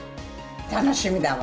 楽しみだわ。